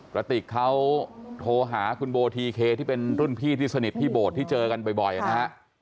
กระติกเขาโทรหาคุณโบทีเคที่เป็นรุ่นพี่ที่สนิทพี่โบดที่เจอกันบ่อยนะฮะ